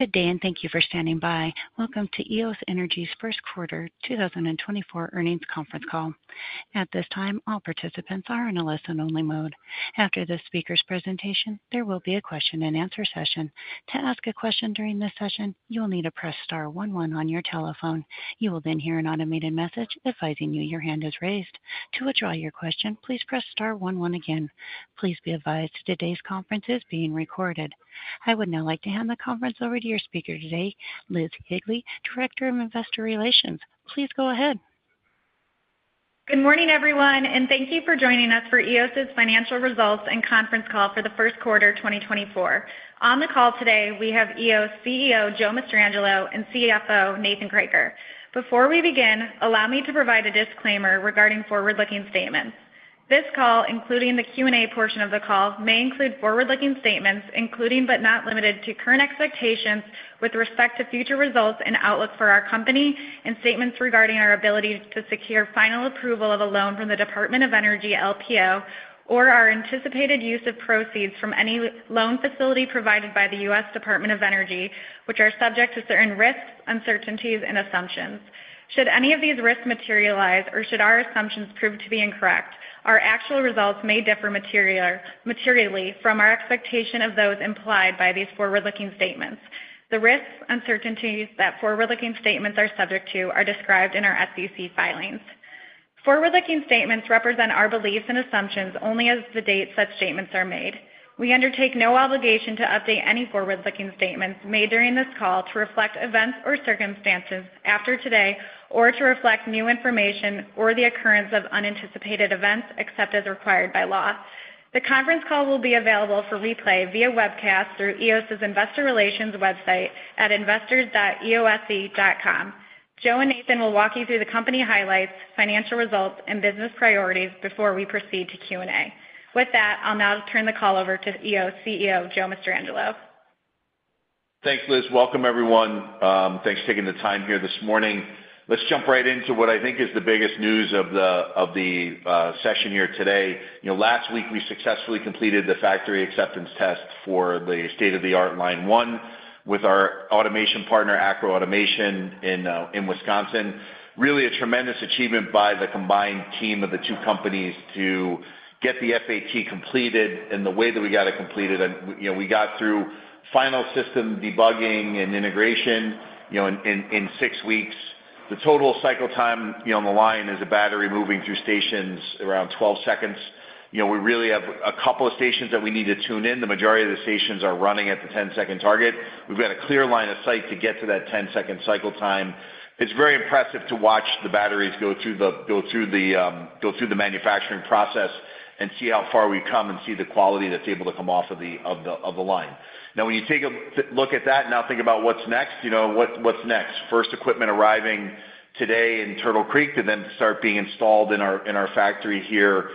Good day, and thank you for standing by. Welcome to Eos Energy's first quarter 2024 earnings conference call. At this time, all participants are in a listen-only mode. After the speaker's presentation, there will be a question-and-answer session. To ask a question during this session, you will need to press star one one on your telephone. You will then hear an automated message advising you your hand is raised. To withdraw your question, please press star one one again. Please be advised today's conference is being recorded. I would now like to hand the conference over to your speaker today, Liz Higley, Director of Investor Relations. Please go ahead. Good morning, everyone, and thank you for joining us for Eos's financial results and conference call for the first quarter, 2024. On the call today, we have Eos CEO, Joe Mastrangelo, and CFO, Nathan Kroeker. Before we begin, allow me to provide a disclaimer regarding forward-looking statements. This call, including the Q&A portion of the call, may include forward-looking statements, including, but not limited to, current expectations with respect to future results and outlook for our company, and statements regarding our ability to secure final approval of a loan from the Department of Energy LPO, or our anticipated use of proceeds from any loan facility provided by the U.S. Department of Energy, which are subject to certain risks, uncertainties, and assumptions. Should any of these risks materialize or should our assumptions prove to be incorrect, our actual results may differ materially from our expectation of those implied by these forward-looking statements. The risks, uncertainties that forward-looking statements are subject to, are described in our SEC filings. Forward-looking statements represent our beliefs and assumptions only as of the date such statements are made. We undertake no obligation to update any forward-looking statements made during this call to reflect events or circumstances after today, or to reflect new information or the occurrence of unanticipated events, except as required by law. The conference call will be available for replay via webcast through Eos's Investor Relations website at investors.eose.com. Joe and Nathan will walk you through the company highlights, financial results, and business priorities before we proceed to Q&A. With that, I'll now turn the call over to Eos CEO, Joe Mastrangelo. Thanks, Liz. Welcome, everyone. Thanks for taking the time here this morning. Let's jump right into what I think is the biggest news of the session here today. You know, last week, we successfully completed the factory acceptance test for the state-of-the-art Line 1 with our automation partner, Acro Automation, in Wisconsin. Really a tremendous achievement by the combined team of the two companies to get the FAT completed and the way that we got it completed. And, you know, we got through final system debugging and integration, you know, in 6 weeks. The total cycle time, you know, on the line is a battery moving through stations around 12 seconds. You know, we really have a couple of stations that we need to tune in. The majority of the stations are running at the 10-second target. We've got a clear line of sight to get to that 10-second cycle time. It's very impressive to watch the batteries go through the manufacturing process and see how far we've come and see the quality that's able to come off of the line. Now, when you take a look at that, now think about what's next. You know, what, what's next? First equipment arriving today in Turtle Creek, to then start being installed in our factory here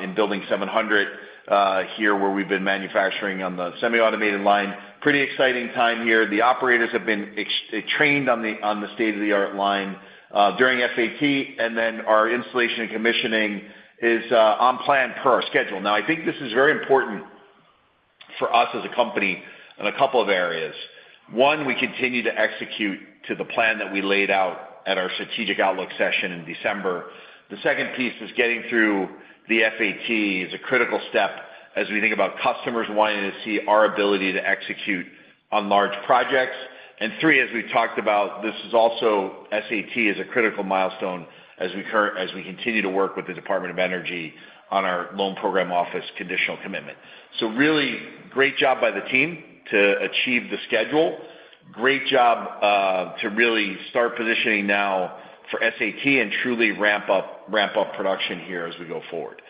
in Building 700, here, where we've been manufacturing on the semi-automated line. Pretty exciting time here. The operators have been trained on the state-of-the-art line during FAT, and then our installation and commissioning is on plan per our schedule. Now, I think this is very important for us as a company in a couple of areas. One, we continue to execute to the plan that we laid out at our strategic outlook session in December. The second piece is getting through the FAT is a critical step as we think about customers wanting to see our ability to execute on large projects. And three, as we've talked about, this is also SAT is a critical milestone as we continue to work with the Department of Energy on our Loan Programs Office conditional commitment. So really great job by the team to achieve the schedule. Great job to really start positioning now for SAT and truly ramp up, ramp up production here as we go forward.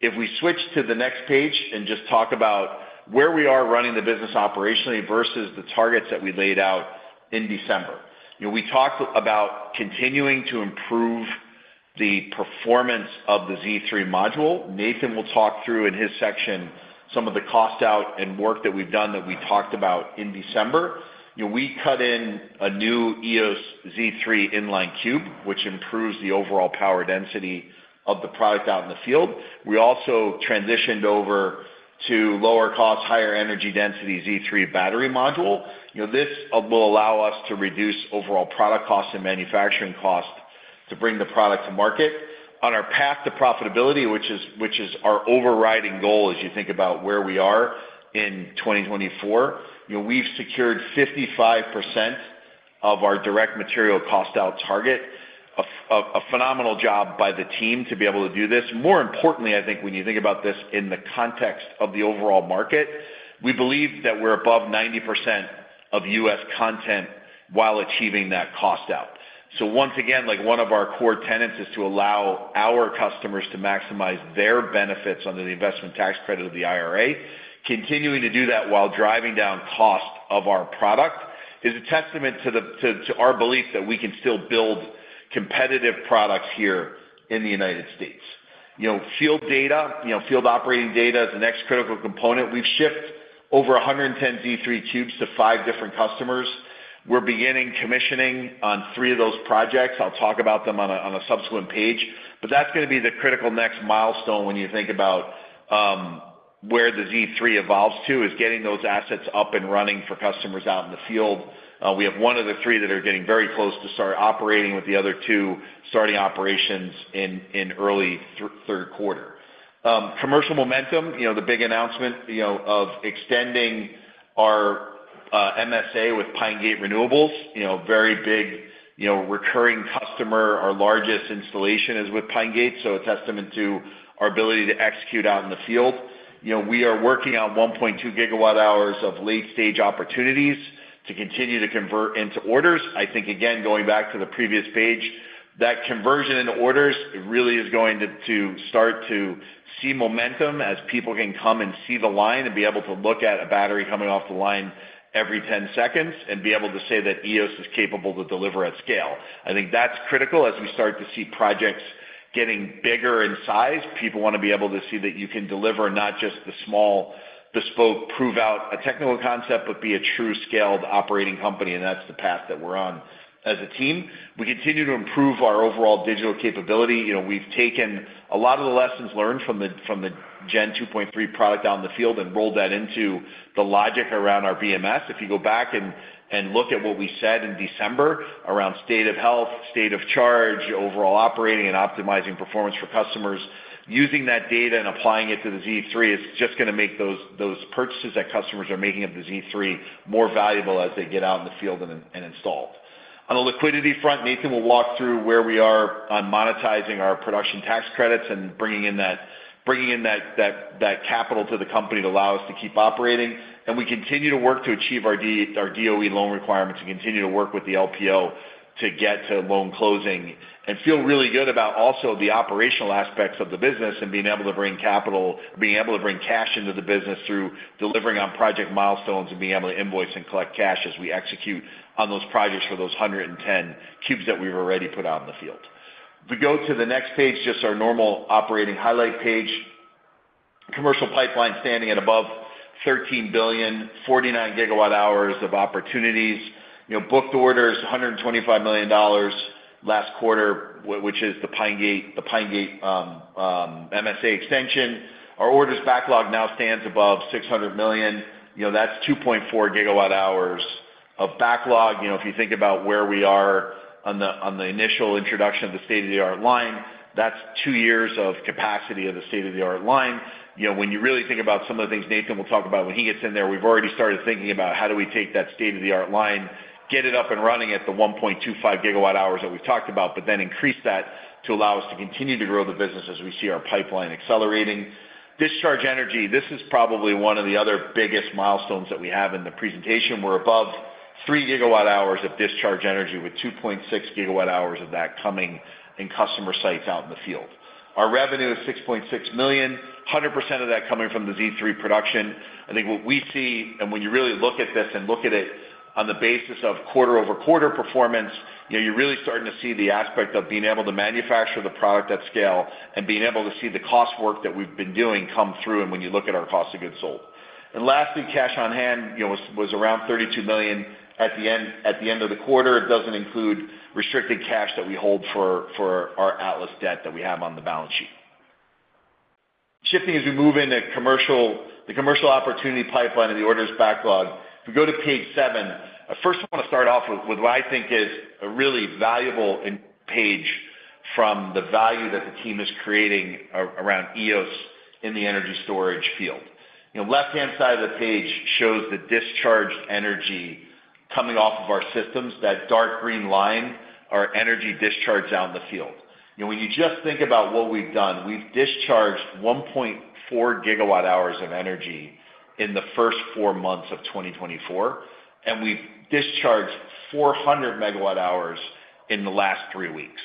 If we switch to the next page and just talk about where we are running the business operationally versus the targets that we laid out in December. You know, we talked about continuing to improve the performance of the Z3 module. Nathan will talk through in his section some of the cost out and work that we've done that we talked about in December. You know, we cut in a new Eos Z3 inline cube, which improves the overall power density of the product out in the field. We also transitioned over to lower cost, higher energy density Z3 battery module. You know, this will allow us to reduce overall product costs and manufacturing costs to bring the product to market. On our path to profitability, which is our overriding goal as you think about where we are in 2024, you know, we've secured 55% of our Direct Material Cost Out target. A phenomenal job by the team to be able to do this. More importantly, I think when you think about this in the context of the overall market, we believe that we're above 90% of U.S. content while achieving that cost out. So once again, like, one of our core tenets is to allow our customers to maximize their benefits under the Investment Tax Credit of the IRA. Continuing to do that while driving down cost of our product is a testament to our belief that we can still build competitive products here in the United States. You know, field data, you know, field operating data is the next critical component. We've shipped over 110 Z3 cubes to five different customers. We're beginning commissioning on three of those projects. I'll talk about them on a subsequent page, but that's gonna be the critical next milestone when you think about where the Z3 evolves to, is getting those assets up and running for customers out in the field. We have one of the three that are getting very close to start operating, with the other two starting operations in early third quarter. Commercial momentum, you know, the big announcement, you know, of extending our MSA with Pine Gate Renewables, you know, very big, you know, recurring customer. Our largest installation is with Pine Gate, so a testament to our ability to execute out in the field. You know, we are working on 1.2 GWh of late-stage opportunities to continue to convert into orders. I think, again, going back to the previous page, that conversion into orders really is going to, to start to see momentum as people can come and see the line and be able to look at a battery coming off the line every 10 seconds, and be able to say that Eos is capable to deliver at scale. I think that's critical as we start to see projects getting bigger in size. People want to be able to see that you can deliver not just the small, bespoke, prove-out a technical concept, but be a true scaled operating company, and that's the path that we're on. As a team, we continue to improve our overall digital capability. You know, we've taken a lot of the lessons learned from the Gen 2.3 product out in the field and rolled that into the logic around our BMS. If you go back and look at what we said in December around state of health, state of charge, overall operating and optimizing performance for customers, using that data and applying it to the Z3 is just gonna make those purchases that customers are making of the Z3 more valuable as they get out in the field and installed. On the liquidity front, Nathan will walk through where we are on monetizing our production tax credits and bringing in that capital to the company to allow us to keep operating. We continue to work to achieve our DOE loan requirements and continue to work with the LPO to get to loan closing, and feel really good about also the operational aspects of the business and being able to bring cash into the business through delivering on project milestones and being able to invoice and collect cash as we execute on those projects for those 110 cubes that we've already put out in the field. If we go to the next page, just our normal operating highlight page. Commercial pipeline standing at above $13 billion, 49 GWh of opportunities. You know, booked orders, $125 million last quarter, which is the Pine Gate MSA extension. Our orders backlog now stands above $600 million. You know, that's 2.4 GWh of backlog. You know, if you think about where we are on the, on the initial introduction of the state-of-the-art line, that's two years of capacity of the state-of-the-art line. You know, when you really think about some of the things Nathan will talk about when he gets in there, we've already started thinking about how do we take that state-of-the-art line, get it up and running at the 1.25 GWh that we've talked about, but then increase that to allow us to continue to grow the business as we see our pipeline accelerating. Discharge energy, this is probably one of the other biggest milestones that we have in the presentation. We're above 3 GWh of discharge energy with 2.6 GWh of that coming in customer sites out in the field. Our revenue is $6.6 million, 100% of that coming from the Z3 production. I think what we see, and when you really look at this and look at it on the basis of quarter-over-quarter performance, you know, you're really starting to see the aspect of being able to manufacture the product at scale and being able to see the cost work that we've been doing come through, and when you look at our cost of goods sold. And lastly, cash on hand, you know, was, was around $32 million at the end, at the end of the quarter. It doesn't include restricted cash that we hold for, for our Atlas debt that we have on the balance sheet. Shifting as we move into commercial-- the commercial opportunity pipeline and the orders backlog. If we go to page 7, I first want to start off with what I think is a really valuable insight into the value that the team is creating around Eos in the energy storage field. You know, left-hand side of the page shows the discharged energy coming off of our systems. That dark green line, our energy discharge out in the field. You know, when you just think about what we've done, we've discharged 1.4 GWh of energy in the first four months of 2024, and we've discharged 400 MWh in the last three weeks.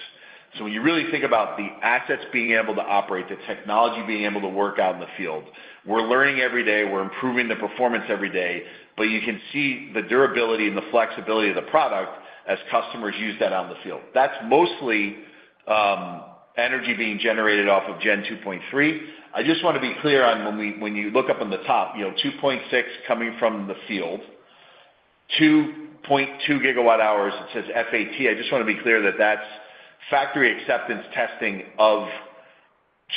So when you really think about the assets being able to operate, the technology being able to work out in the field, we're learning every day, we're improving the performance every day, but you can see the durability and the flexibility of the product as customers use that out in the field. That's mostly energy being generated off of Gen 2.3. I just want to be clear on when we—when you look up on the top, you know, 2.6 coming from the field, 2.2 GWh, it says FAT. I just want to be clear that that's factory acceptance testing of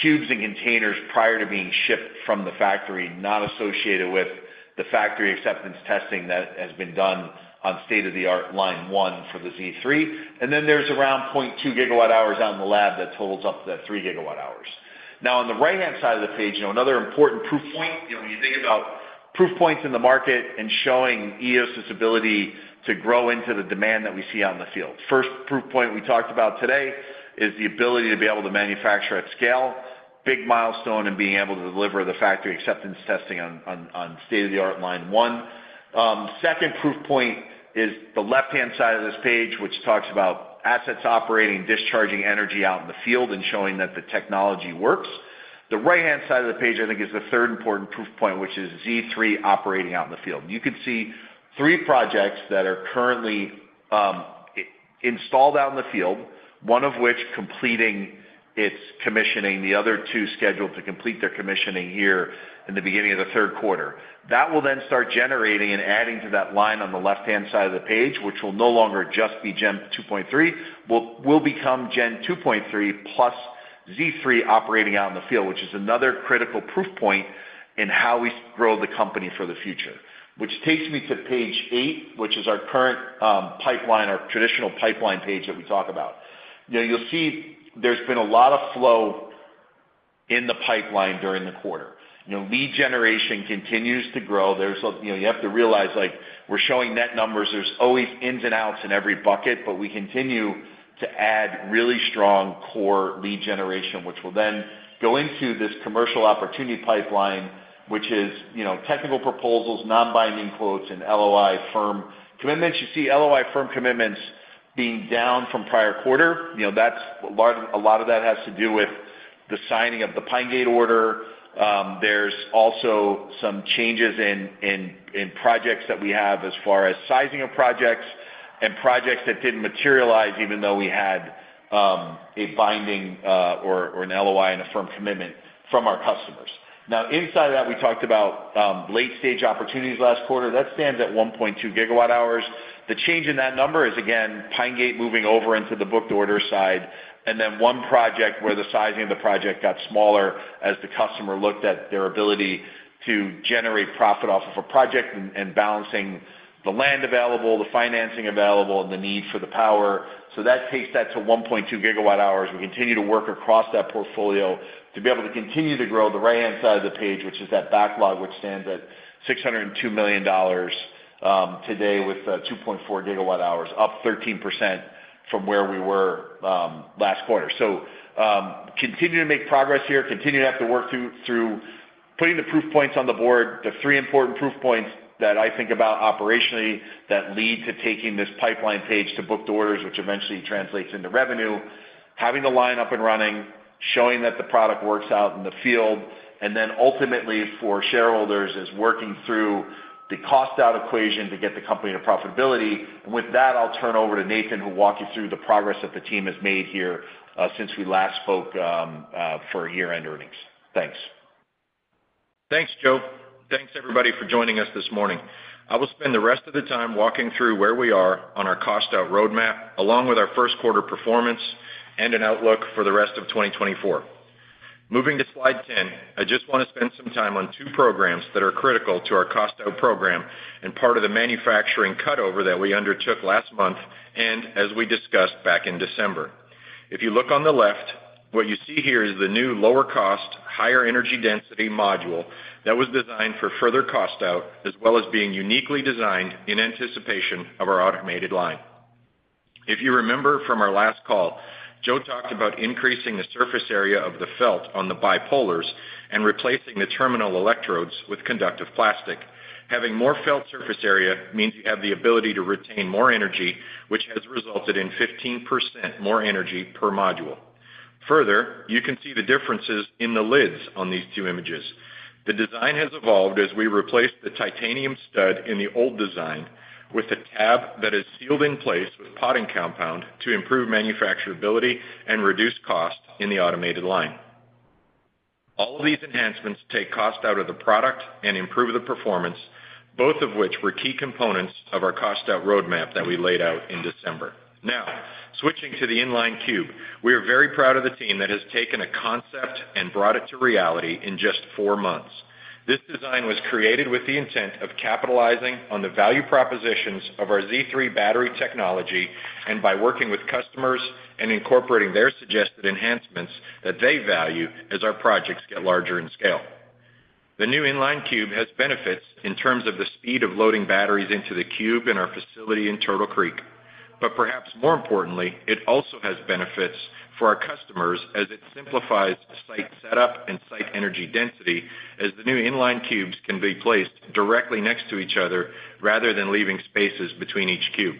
cubes and containers prior to being shipped from the factory, not associated with the factory acceptance testing that has been done on state-of-the-art Line 1 for the Z3. And then there's around 0.2 GWh out in the lab that totals up to that 3 GWh. Now, on the right-hand side of the page, you know, another important proof point, you know, when you think about proof points in the market and showing Eos's ability to grow into the demand that we see out in the field. First proof point we talked about today is the ability to be able to manufacture at scale. Big milestone in being able to deliver the factory acceptance testing on state-of-the-art Line 1. Second proof point is the left-hand side of this page, which talks about assets operating, discharging energy out in the field and showing that the technology works. The right-hand side of the page, I think, is the third important proof point, which is Z3 operating out in the field. You can see 3 projects that are currently installed out in the field, one of which completing its commissioning, the other two scheduled to complete their commissioning here in the beginning of the third quarter. That will then start generating and adding to that line on the left-hand side of the page, which will no longer just be Gen 2.3, will become Gen 2.3 plus Z3 operating out in the field, which is another critical proof point in how we grow the company for the future. Which takes me to page 8, which is our current pipeline, our traditional pipeline page that we talk about. Now, you'll see there's been a lot of flow in the pipeline during the quarter. You know, lead generation continues to grow. There's you know, you have to realize, like, we're showing net numbers. There's always ins and outs in every bucket, but we continue to add really strong core lead generation, which will then go into this commercial opportunity pipeline, which is, you know, technical proposals, non-binding quotes, and LOI firm commitments. You see LOI firm commitments being down from prior quarter. You know, that's a lot of that has to do with the signing of the Pine Gate order. There's also some changes in projects that we have as far as sizing of projects and projects that didn't materialize, even though we had a binding or an LOI and a firm commitment from our customers. Now, inside of that, we talked about late-stage opportunities last quarter. That stands at 1.2 GWh. The change in that number is, again, Pine Gate moving over into the booked order side, and then one project where the sizing of the project got smaller as the customer looked at their ability to generate profit off of a project and balancing the land available, the financing available, and the need for the power. So that takes that to 1.2 GWh. We continue to work across that portfolio to be able to continue to grow the right-hand side of the page, which is that backlog, which stands at $602 million today, with 2.4 GWh, up 13% from where we were last quarter. So, continuing to make progress here, continuing to have to work through putting the proof points on the board. The three important proof points that I think about operationally that lead to taking this pipeline page to booked orders, which eventually translates into revenue: having the line up and running, showing that the product works out in the field, and then ultimately, for shareholders, is working through the cost out equation to get the company to profitability. With that, I'll turn it over to Nathan, who'll walk you through the progress that the team has made here, since we last spoke, for year-end earnings. Thanks. Thanks, Joe. Thanks, everybody, for joining us this morning. I will spend the rest of the time walking through where we are on our cost out roadmap, along with our first quarter performance and an outlook for the rest of 2024. Moving to slide 10, I just want to spend some time on two programs that are critical to our cost out program and part of the manufacturing cutover that we undertook last month, and as we discussed back in December. If you look on the left, what you see here is the new lower cost, higher energy density module that was designed for further cost out, as well as being uniquely designed in anticipation of our automated line. If you remember from our last call, Joe talked about increasing the surface area of the felt on the bipolars and replacing the terminal electrodes with conductive plastic. Having more felt surface area means you have the ability to retain more energy, which has resulted in 15% more energy per module. Further, you can see the differences in the lids on these two images. The design has evolved as we replaced the titanium stud in the old design with a tab that is sealed in place with potting compound to improve manufacturability and reduce cost in the automated line. All of these enhancements take cost out of the product and improve the performance, both of which were key components of our cost out roadmap that we laid out in December. Now, switching to the inline cube. We are very proud of the team that has taken a concept and brought it to reality in just 4 months. This design was created with the intent of capitalizing on the value propositions of our Z3 battery technology, and by working with customers and incorporating their suggested enhancements that they value as our projects get larger in scale. The new inline cube has benefits in terms of the speed of loading batteries into the cube in our facility in Turtle Creek. But perhaps more importantly, it also has benefits for our customers as it simplifies site setup and site energy density, as the new inline cubes can be placed directly next to each other, rather than leaving spaces between each cube.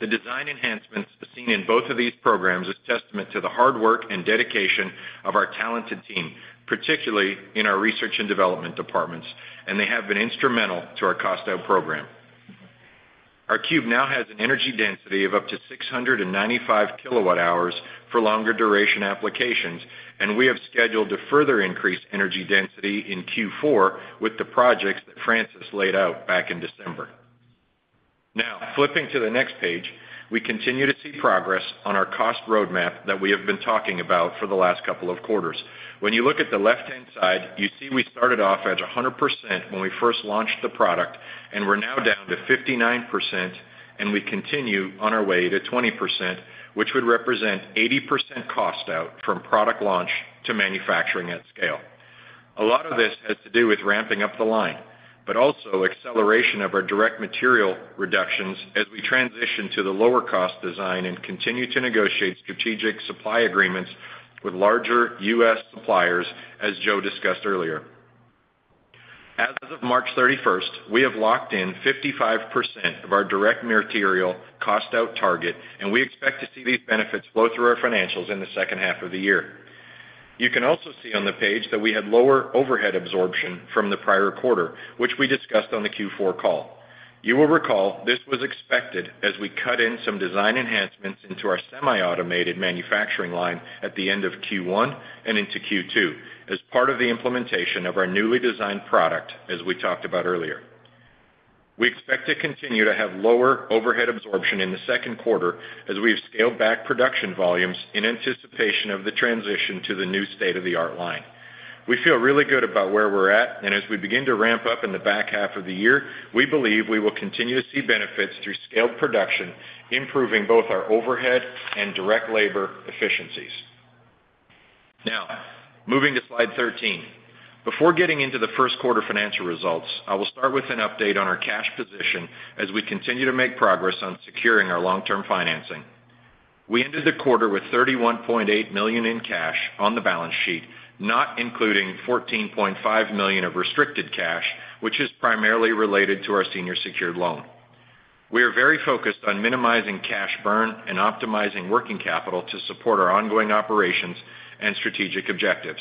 The design enhancements seen in both of these programs is a testament to the hard work and dedication of our talented team, particularly in our research and development departments, and they have been instrumental to our cost out program. Our cube now has an energy density of up to 695 kWh for longer duration applications, and we have scheduled to further increase energy density in Q4 with the projects that Francis laid out back in December. Now, flipping to the next page, we continue to see progress on our cost roadmap that we have been talking about for the last couple of quarters. When you look at the left-hand side, you see we started off at 100% when we first launched the product, and we're now down to 59%, and we continue on our way to 20%, which would represent 80% cost out from product launch to manufacturing at scale. A lot of this has to do with ramping up the line, but also acceleration of our direct material reductions as we transition to the lower cost design and continue to negotiate strategic supply agreements with larger U.S. suppliers, as Joe discussed earlier. As of March 31st, we have locked in 55% of our direct material cost out target, and we expect to see these benefits flow through our financials in the second half of the year. You can also see on the page that we had lower overhead absorption from the prior quarter, which we discussed on the Q4 call. You will recall this was expected as we cut in some design enhancements into our semi-automated manufacturing line at the end of Q1 and into Q2, as part of the implementation of our newly designed product, as we talked about earlier. We expect to continue to have lower overhead absorption in the second quarter as we've scaled back production volumes in anticipation of the transition to the new state-of-the-art line. We feel really good about where we're at, and as we begin to ramp up in the back half of the year, we believe we will continue to see benefits through scaled production, improving both our overhead and direct labor efficiencies. Now, moving to slide 13. Before getting into the first quarter financial results, I will start with an update on our cash position as we continue to make progress on securing our long-term financing. We ended the quarter with $31.8 million in cash on the balance sheet, not including $14.5 million of restricted cash, which is primarily related to our senior secured loan. We are very focused on minimizing cash burn and optimizing working capital to support our ongoing operations and strategic objectives.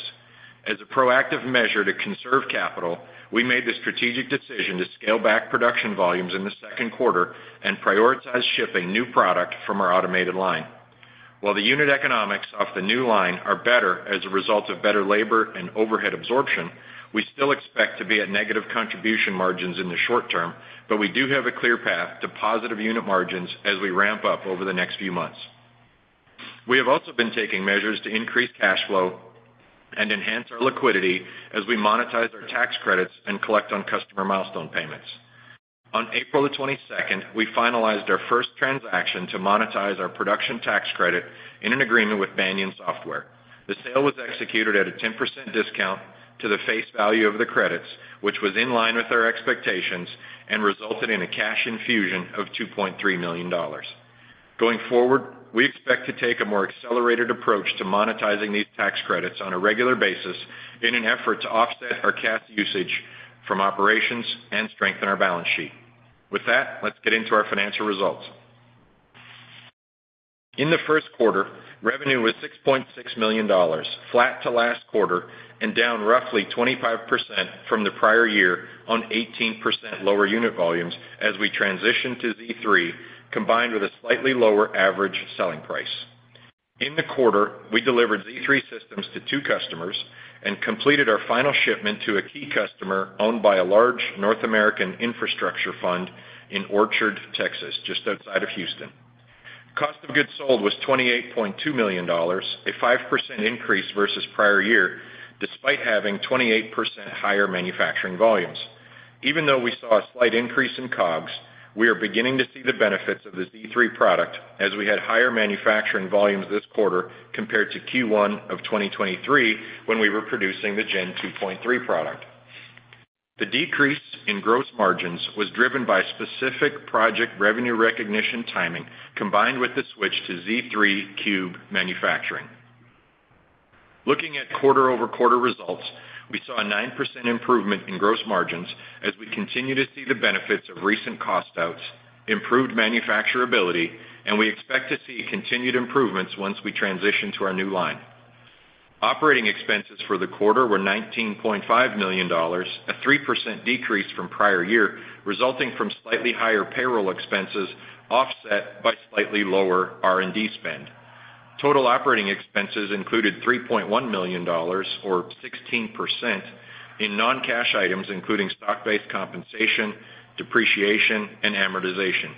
As a proactive measure to conserve capital, we made the strategic decision to scale back production volumes in the second quarter and prioritize shipping new product from our automated line. While the unit economics of the new line are better as a result of better labor and overhead absorption, we still expect to be at negative contribution margins in the short term, but we do have a clear path to positive unit margins as we ramp up over the next few months. We have also been taking measures to increase cash flow and enhance our liquidity as we monetize our tax credits and collect on customer milestone payments. On April 22, we finalized our first transaction to monetize our Production Tax Credit in an agreement with Banyan Software. The sale was executed at a 10% discount to the face value of the credits, which was in line with our expectations and resulted in a cash infusion of $2.3 million. Going forward, we expect to take a more accelerated approach to monetizing these tax credits on a regular basis in an effort to offset our cash usage from operations and strengthen our balance sheet. With that, let's get into our financial results. In the first quarter, revenue was $6.6 million, flat to last quarter and down roughly 25% from the prior year on 18% lower unit volumes as we transition to Z3, combined with a slightly lower average selling price. In the quarter, we delivered Z3 systems to two customers and completed our final shipment to a key customer owned by a large North American infrastructure fund in Orchard, Texas, just outside of Houston. Cost of goods sold was $28.2 million, a 5% increase versus prior year, despite having 28% higher manufacturing volumes. Even though we saw a slight increase in COGS, we are beginning to see the benefits of the Z3 product, as we had higher manufacturing volumes this quarter compared to Q1 of 2023, when we were producing the Gen 2.3 product. The decrease in gross margins was driven by specific project revenue recognition timing, combined with the switch to Z3 cube manufacturing. Looking at quarter-over-quarter results, we saw a 9% improvement in gross margins as we continue to see the benefits of recent cost outs, improved manufacturability, and we expect to see continued improvements once we transition to our new line. Operating expenses for the quarter were $19.5 million, a 3% decrease from prior year, resulting from slightly higher payroll expenses, offset by slightly lower R&D spend. Total operating expenses included $3.1 million, or 16%, in non-cash items, including stock-based compensation, depreciation, and amortization.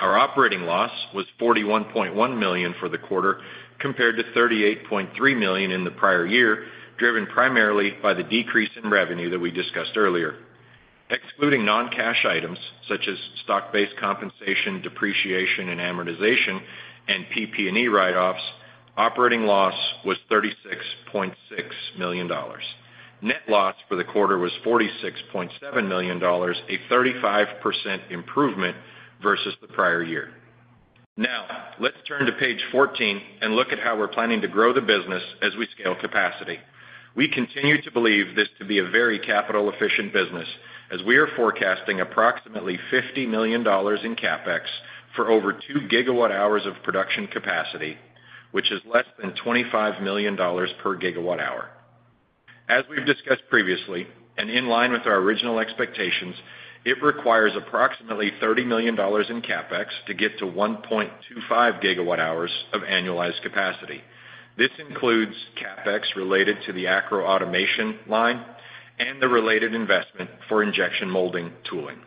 Our operating loss was $41.1 million for the quarter, compared to $38.3 million in the prior year, driven primarily by the decrease in revenue that we discussed earlier. Excluding non-cash items such as stock-based compensation, depreciation, and amortization, and PP&E write-offs, operating loss was $36.6 million. Net loss for the quarter was $46.7 million, a 35% improvement versus the prior year. Now, let's turn to page 14 and look at how we're planning to grow the business as we scale capacity. We continue to believe this to be a very capital-efficient business, as we are forecasting approximately $50 million in CapEx for over 2 GWh of production capacity, which is less than $25 million per gigawat hour. As we've discussed previously, and in line with our original expectations, it requires approximately $30 million in CapEx to get to 1.25 GWh of annualized capacity. This includes CapEx related to the Acro Automation line and the related investment for injection molding tooling.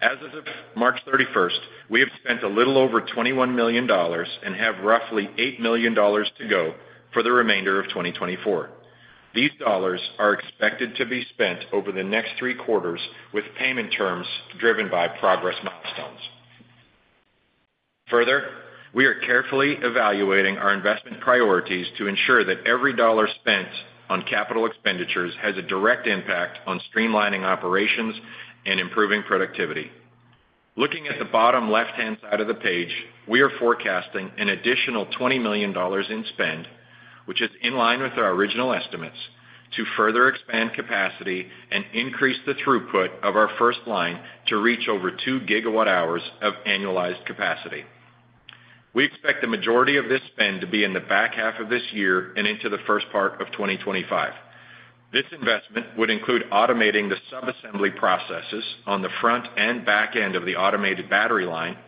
As of March 31, we have spent a little over $21 million and have roughly $8 million to go for the remainder of 2024. These dollars are expected to be spent over the next three quarters, with payment terms driven by progress milestones. Further, we are carefully evaluating our investment priorities to ensure that every dollar spent on capital expenditures has a direct impact on streamlining operations and improving productivity. Looking at the bottom left-hand side of the page, we are forecasting an additional $20 million in spend, which is in line with our original estimates to further expand capacity and increase the throughput of our first line to reach over 2 GWh of annualized capacity. We expect the majority of this spend to be in the back half of this year and into the first part of 2025. This investment would include automating the subassembly processes on the front and back end of the automated battery line,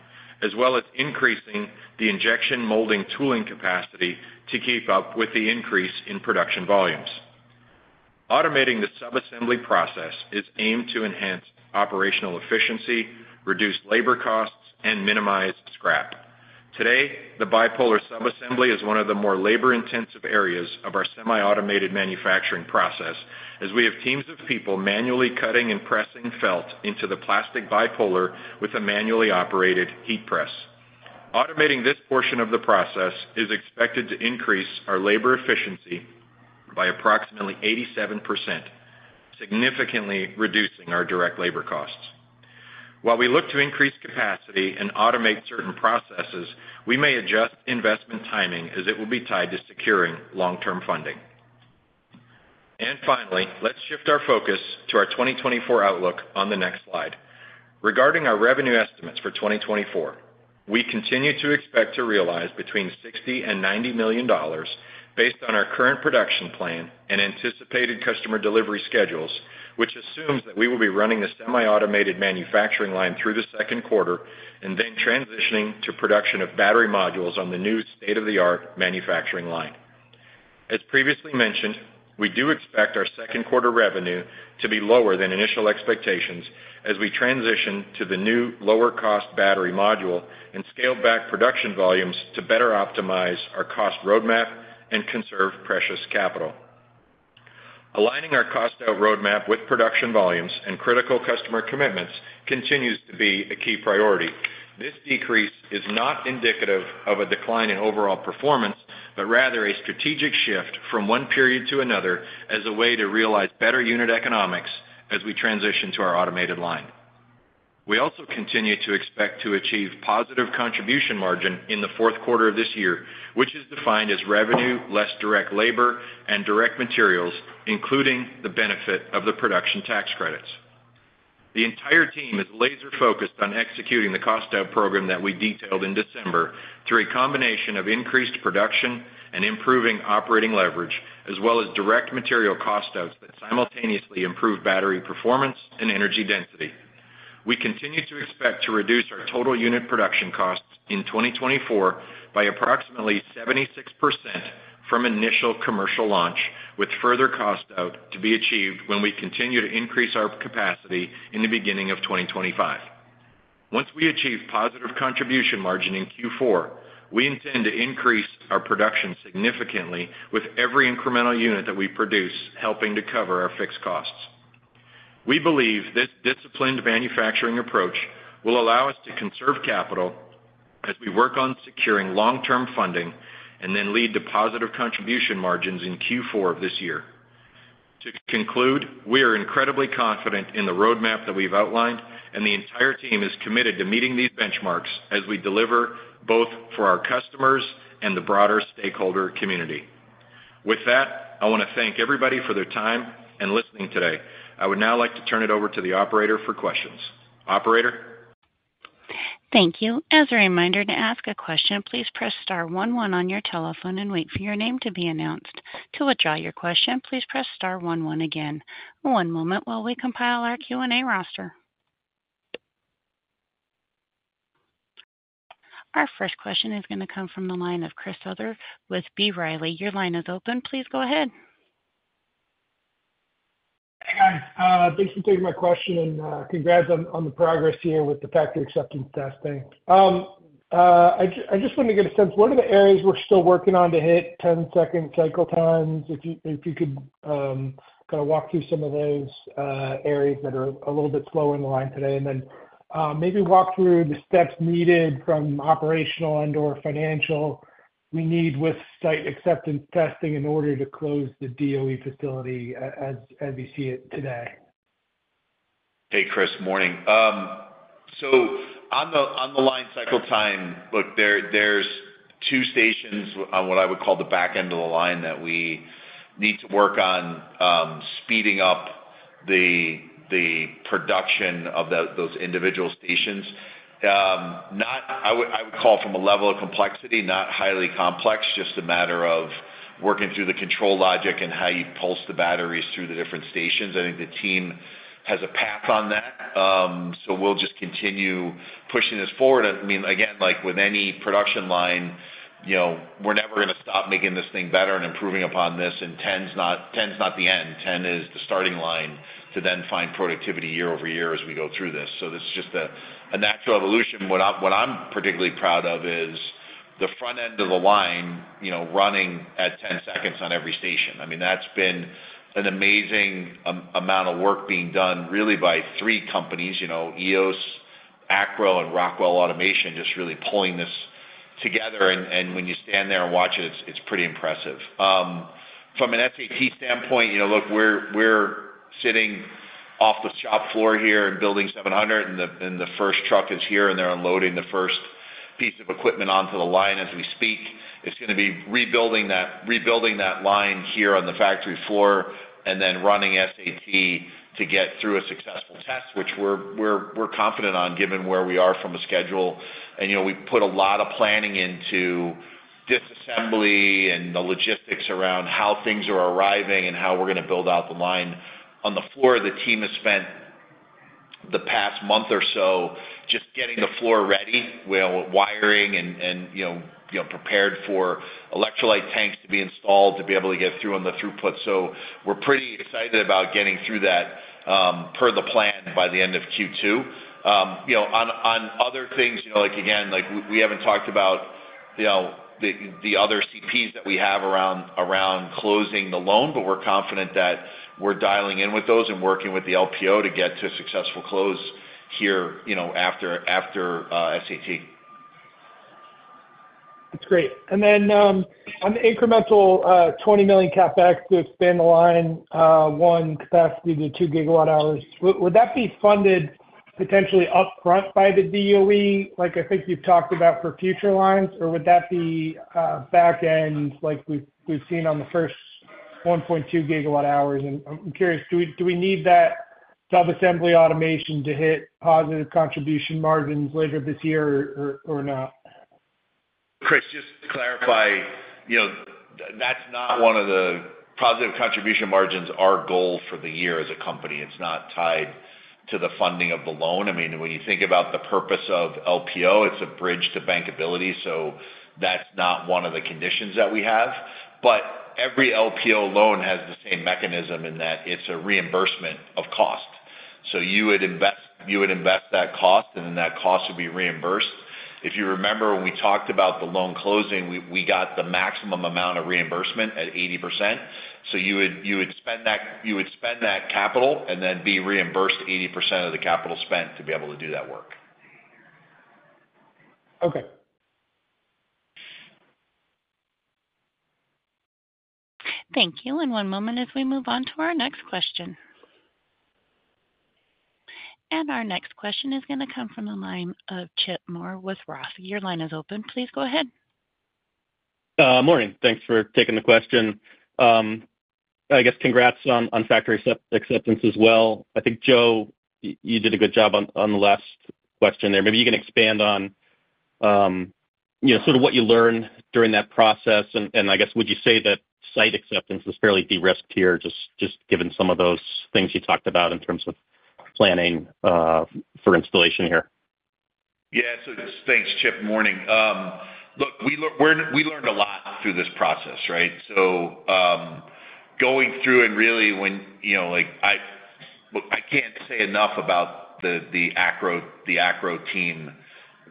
as well as increasing the injection molding tooling capacity to keep up with the increase in production volumes. Automating the subassembly process is aimed to enhance operational efficiency, reduce labor costs, and minimize scrap. Today, the bipolar subassembly is one of the more labor-intensive areas of our semi-automated manufacturing process, as we have teams of people manually cutting and pressing felt into the plastic bipolar with a manually operated heat press. Automating this portion of the process is expected to increase our labor efficiency by approximately 87%, significantly reducing our direct labor costs. While we look to increase capacity and automate certain processes, we may adjust investment timing as it will be tied to securing long-term funding. Finally, let's shift our focus to our 2024 outlook on the next slide. Regarding our revenue estimates for 2024, we continue to expect to realize between $60 million and $90 million based on our current production plan and anticipated customer delivery schedules, which assumes that we will be running a semi-automated manufacturing line through the second quarter and then transitioning to production of battery modules on the new state-of-the-art manufacturing line. As previously mentioned, we do expect our second quarter revenue to be lower than initial expectations as we transition to the new lower-cost battery module and scale back production volumes to better optimize our cost roadmap and conserve precious capital. Aligning our cost out roadmap with production volumes and critical customer commitments continues to be a key priority. This decrease is not indicative of a decline in overall performance, but rather a strategic shift from one period to another as a way to realize better unit economics as we transition to our automated line. We also continue to expect to achieve positive contribution margin in the fourth quarter of this year, which is defined as revenue, less direct labor and direct materials, including the benefit of the production tax credits. The entire team is laser-focused on executing the cost out program that we detailed in December, through a combination of increased production and improving operating leverage, as well as direct material cost outs that simultaneously improve battery performance and energy density. We continue to expect to reduce our total unit production costs in 2024 by approximately 76% from initial commercial launch, with further cost out to be achieved when we continue to increase our capacity in the beginning of 2025. Once we achieve positive contribution margin in Q4, we intend to increase our production significantly with every incremental unit that we produce, helping to cover our fixed costs. We believe this disciplined manufacturing approach will allow us to conserve capital as we work on securing long-term funding, and then lead to positive contribution margins in Q4 of this year. To conclude, we are incredibly confident in the roadmap that we've outlined, and the entire team is committed to meeting these benchmarks as we deliver both for our customers and the broader stakeholder community. With that, I want to thank everybody for their time and listening today. I would now like to turn it over to the operator for questions. Operator? Thank you. As a reminder, to ask a question, please press star one one on your telephone and wait for your name to be announced. To withdraw your question, please press star one one again. One moment while we compile our Q&A roster. Our first question is going to come from the line of Chris Souther with B. Riley. Your line is open. Please go ahead. Hey, guys, thanks for taking my question, and, congrats on, on the progress here with the factory acceptance testing. I just wanted to get a sense, what are the areas we're still working on to hit 10-second cycle times? If you, if you could, kind of walk through some of those, areas that are a little bit slow in the line today, and then, maybe walk through the steps needed from operational and/or financial we need with site acceptance testing in order to close the DOE facility as, as we see it today. Hey, Chris. Morning. So on the line cycle time, look, there, there's two stations on what I would call the back end of the line, that we need to work on speeding up the production of those individual stations. Not, I would call from a level of complexity, not highly complex, just a matter of working through the control logic and how you pulse the batteries through the different stations. I think the team has a path on that. So we'll just continue pushing this forward. I mean, again, like with any production line, you know, we're never gonna stop making this thing better and improving upon this, and 10's not, 10's not the end. 10 is the starting line to then find productivity year-over-year as we go through this. So this is just a natural evolution. What I'm particularly proud of is the front end of the line, you know, running at 10 seconds on every station. I mean, that's been an amazing amount of work being done really by three companies, you know, Eos, Acro, and Rockwell Automation, just really pulling this together. And when you stand there and watch it, it's pretty impressive. From an SAT standpoint, you know, look, we're sitting off the shop floor here in Building 700, and the first truck is here, and they're unloading the first-... piece of equipment onto the line as we speak. It's gonna be rebuilding that line here on the factory floor, and then running SAT to get through a successful test, which we're confident on, given where we are from a schedule. You know, we've put a lot of planning into disassembly and the logistics around how things are arriving and how we're gonna build out the line. On the floor, the team has spent the past month or so just getting the floor ready, with wiring and, you know, get prepared for electrolyte tanks to be installed, to be able to get through on the throughput. So we're pretty excited about getting through that per the plan by the end of Q2. You know, on other things, you know, like, again, like, we haven't talked about, you know, the other CPs that we have around closing the loan, but we're confident that we're dialing in with those and working with the LPO to get to a successful close here, you know, after SAT. That's great. And then, on the incremental, $20 million CapEx to expand the line, one, capacity to 2 GWh, would, would that be funded potentially upfront by the DOE, like I think you've talked about for future lines? Or would that be, back end, like we've, we've seen on the first 1.2 GWh? And I'm, I'm curious, do we, do we need that sub-assembly automation to hit positive contribution margins later this year or, or, or not? Chris, just to clarify, you know, that's not one of the positive contribution margins, our goal for the year as a company. It's not tied to the funding of the loan. I mean, when you think about the purpose of LPO, it's a bridge to bankability, so that's not one of the conditions that we have. But every LPO loan has the same mechanism in that it's a reimbursement of cost. So you would invest, you would invest that cost, and then that cost would be reimbursed. If you remember, when we talked about the loan closing, we got the maximum amount of reimbursement at 80%. So you would, you would spend that—you would spend that capital and then be reimbursed 80% of the capital spent to be able to do that work. Okay. Thank you. One moment as we move on to our next question. Our next question is gonna come from the line of Chip Moore with Roth. Your line is open. Please go ahead. Morning. Thanks for taking the question. I guess congrats on factory acceptance as well. I think, Joe, you did a good job on the last question there. Maybe you can expand on, you know, sort of what you learned during that process. And I guess, would you say that site acceptance is fairly de-risked here, just given some of those things you talked about in terms of planning for installation here? Yeah. So thanks, Chip. Morning. Look, we learned a lot through this process, right? So, going through and really when, you know, like I—look, I can't say enough about the Acro team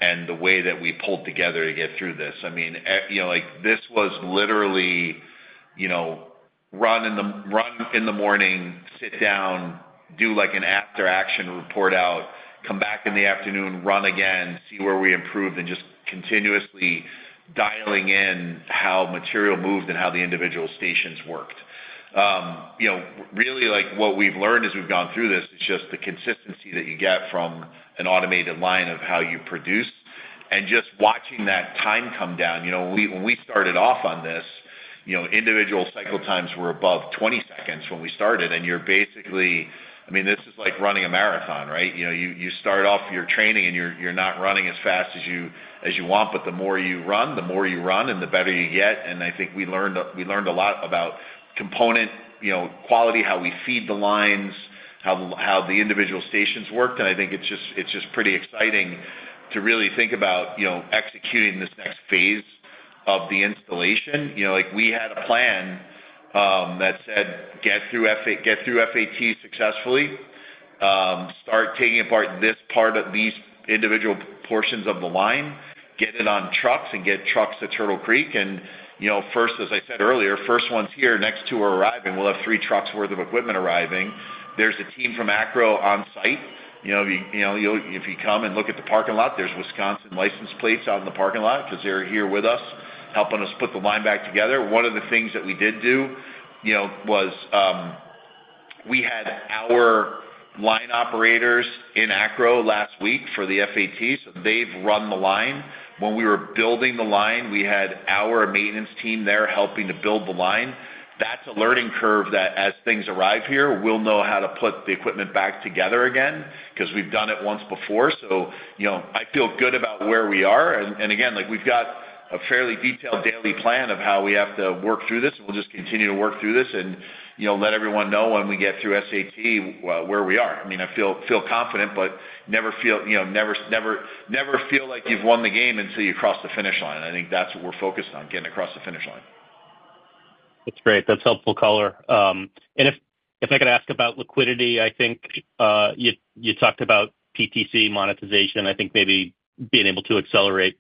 and the way that we pulled together to get through this. I mean, you know, like, this was literally, you know, run in the morning, sit down, do, like, an after action report out, come back in the afternoon, run again, see where we improved, and just continuously dialing in how material moved and how the individual stations worked. You know, really, like, what we've learned as we've gone through this is just the consistency that you get from an automated line of how you produce and just watching that time come down. You know, when we, when we started off on this, you know, individual cycle times were above 20 seconds when we started, and you're basically... I mean, this is like running a marathon, right? You know, you, you start off, you're training, and you're, you're not running as fast as you, as you want, but the more you run, the more you run and the better you get. And I think we learned a, we learned a lot about component, you know, quality, how we feed the lines, how the, how the individual stations worked. And I think it's just, it's just pretty exciting to really think about, you know, executing this next phase of the installation. You know, like, we had a plan that said, get through FAT successfully, start taking apart this part, these individual portions of the line, get it on trucks and get trucks to Turtle Creek. And, you know, first, as I said earlier, first one's here, next 2 are arriving. We'll have three trucks worth of equipment arriving. There's a team from Acro on site. You know, if you come and look at the parking lot, there's Wisconsin license plates out in the parking lot because they're here with us, helping us put the line back together. One of the things that we did do, you know, was, we had our line operators in Acro last week for the FAT, so they've run the line. When we were building the line, we had our maintenance team there helping to build the line. That's a learning curve that as things arrive here, we'll know how to put the equipment back together again because we've done it once before. So, you know, I feel good about where we are. And again, like, we've got a fairly detailed daily plan of how we have to work through this. We'll just continue to work through this and, you know, let everyone know when we get through SAT, where we are. I mean, I feel confident, but never feel, you know, never, never, never feel like you've won the game until you cross the finish line. I think that's what we're focused on, getting across the finish line. That's great. That's helpful color. And if I could ask about liquidity, I think you talked about PTC monetization. I think maybe being able to accelerate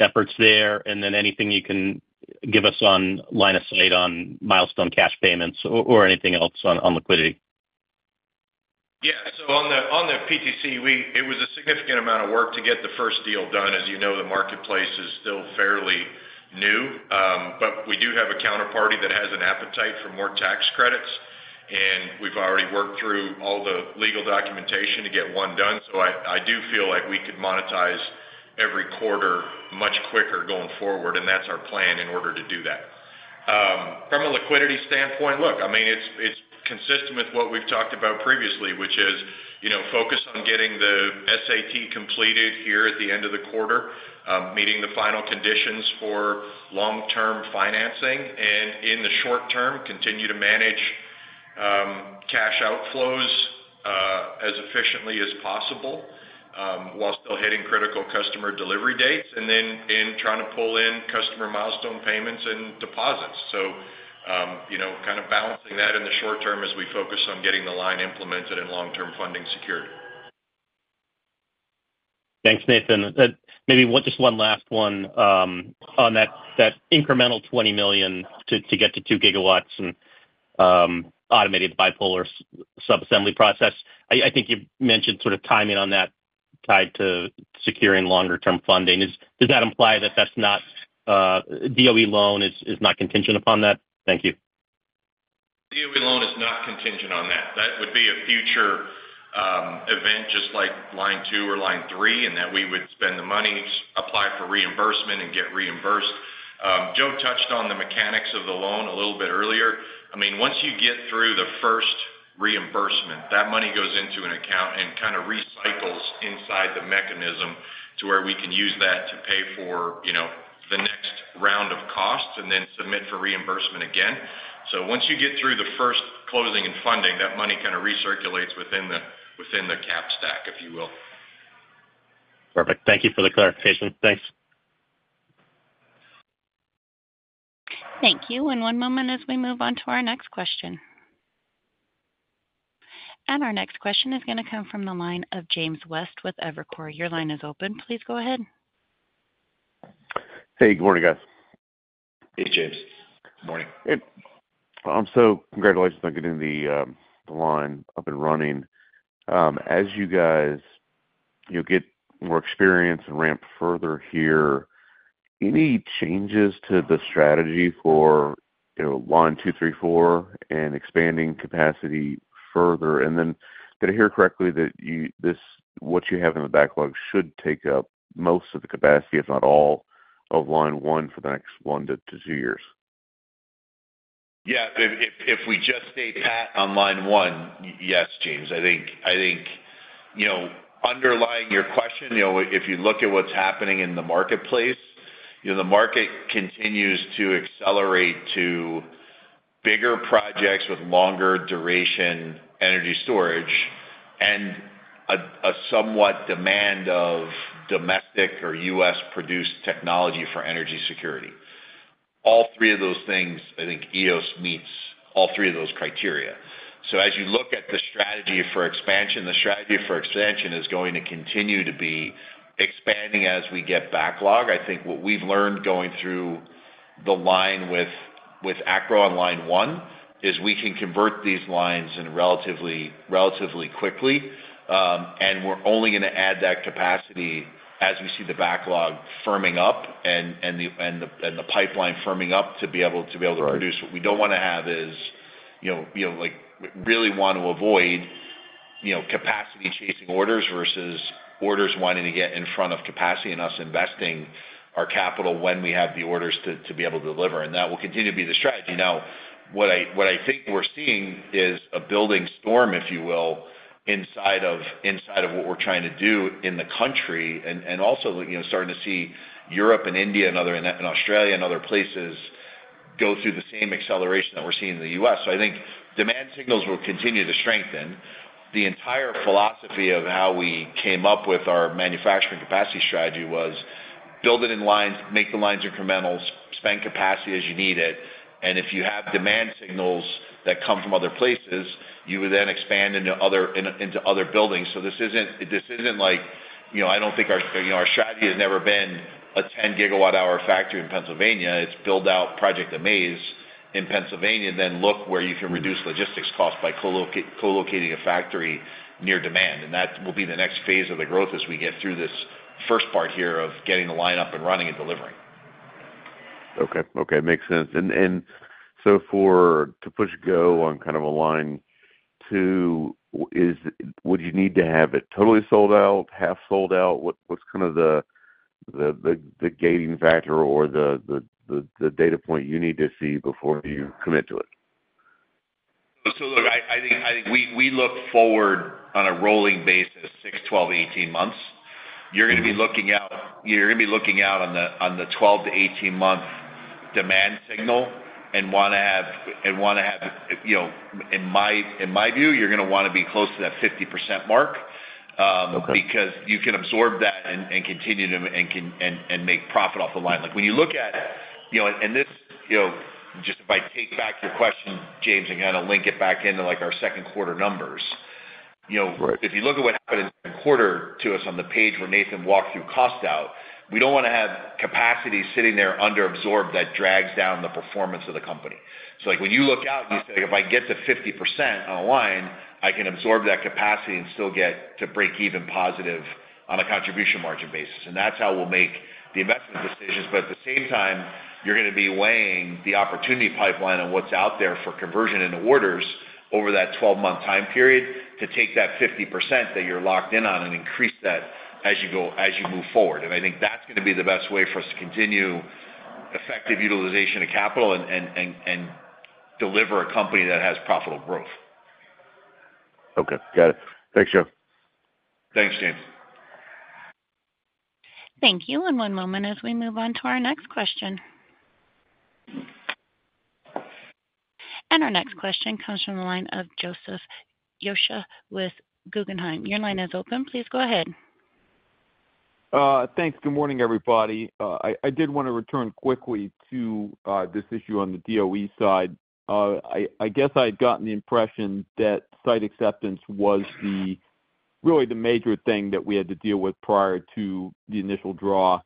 efforts there, and then anything you can give us on line of sight on milestone cash payments or anything else on liquidity? Yeah. So on the, on the PTC, we, it was a significant amount of work to get the first deal done. As you know, the marketplace is still fairly new. We do have a counterparty that has an appetite for more tax credits, and we've already worked through all the legal documentation to get one done. So I, I do feel like we could monetize every quarter much quicker going forward, and that's our plan in order to do that. From a liquidity standpoint, look, I mean, it's consistent with what we've talked about previously, which is, you know, focused on getting the SAT completed here at the end of the quarter, meeting the final conditions for long-term financing, and in the short term, continue to manage cash outflows as efficiently as possible, while still hitting critical customer delivery dates, and then in trying to pull in customer milestone payments and deposits. So, you know, kind of balancing that in the short term as we focus on getting the line implemented and long-term funding secured. Thanks, Nathan. Maybe one—just one last one on that incremental $20 million to get to 2iGW and automated bipolar subassembly process. I think you've mentioned sort of timing on that tied to securing longer term funding. Does that imply that that's not DOE loan is not contingent upon that? Thank you. DOE loan is not contingent on that. That would be a future event, just like Line 2 or Line 3, and that we would spend the money, apply for reimbursement, and get reimbursed. Joe touched on the mechanics of the loan a little bit earlier. I mean, once you get through the first reimbursement, that money goes into an account and kind of recycles inside the mechanism to where we can use that to pay for, you know, the next round of costs and then submit for reimbursement again. So once you get through the first closing and funding, that money kind of recirculates within the cap stack, if you will. Perfect. Thank you for the clarification. Thanks. Thank you, and one moment as we move on to our next question. Our next question is gonna come from the line of James West with Evercore. Your line is open. Please go ahead. Hey, good morning, guys. Hey, James. Good morning. So congratulations on getting the line up and running. As you guys, you know, get more experience and ramp further here, any changes to the strategy for, you know, Line 2, 3, 4, and expanding capacity further? And then did I hear correctly that you—this, what you have in the backlog should take up most of the capacity, if not all, of Line 1 for the next 1-2 years? Yeah. If we just stay pat on Line 1, yes, James, I think you know, underlying your question, you know, if you look at what's happening in the marketplace, you know, the market continues to accelerate to bigger projects with longer duration energy storage and a somewhat demand of domestic or U.S.-produced technology for energy security. All three of those things, I think Eos meets all three of those criteria. So as you look at the strategy for expansion, the strategy for expansion is going to continue to be expanding as we get backlog. I think what we've learned going through the line with Acro on Line 1 is we can convert these lines in relatively quickly. And we're only gonna add that capacity as we see the backlog firming up and the pipeline firming up to be able to produce. Right. What we don't wanna have is, you know, like, really want to avoid, you know, capacity chasing orders versus orders wanting to get in front of capacity and us investing our capital when we have the orders to be able to deliver, and that will continue to be the strategy. Now, what I think we're seeing is a building storm, if you will, inside of what we're trying to do in the country and also, you know, starting to see Europe and India and other, and Australia and other places go through the same acceleration that we're seeing in the U.S.. So I think demand signals will continue to strengthen. The entire philosophy of how we came up with our manufacturing capacity strategy was build it in lines, make the lines incremental, spend capacity as you need it, and if you have demand signals that come from other places, you would then expand into other buildings. So this isn't, this isn't like, you know, I don't think our... You know, our strategy has never been a 10-gigawatt-hour factory in Pennsylvania. It's build out Project AMAZE in Pennsylvania, and then look where you can reduce logistics costs by colocating a factory near demand, and that will be the next phase of the growth as we get through this first part here of getting the line up and running and delivering. Okay. Okay, makes sense. And so, to push go on kind of a Line 2, would you need to have it totally sold out, half sold out? What’s kind of the gating factor or the data point you need to see before you commit to it? So look, I think we look forward on a rolling basis, 6, 12, 18 months. You're gonna be looking out on the 12-18-month demand signal and wanna have... You know, in my view, you're gonna wanna be close to that 50% mark. Okay. because you can absorb that and continue to make profit off the line. Like, when you look at, you know, and this, you know, just if I take back your question, James, and kind of link it back into, like, our second quarter numbers, you know- Right. If you look at what happened in the quarter to us on the page where Nathan walked through cost out, we don't wanna have capacity sitting there under absorbed that drags down the performance of the company. So like when you look out, you say, if I get to 50% on a line, I can absorb that capacity and still get to break even positive on a contribution margin basis. And that's how we'll make the investment decisions. But at the same time, you're going to be weighing the opportunity pipeline on what's out there for conversion into orders over that 12-month time period, to take that 50% that you're locked in on and increase that as you go - as you move forward. I think that's going to be the best way for us to continue effective utilization of capital and deliver a company that has profitable growth. Okay, got it. Thanks, Joe. Thanks, James. Thank you. One moment as we move on to our next question. Our next question comes from the line of Joseph Osha with Guggenheim. Your line is open. Please go ahead. Thanks. Good morning, everybody. I did want to return quickly to this issue on the DOE side. I guess I'd gotten the impression that site acceptance was the really the major thing that we had to deal with prior to the initial draw,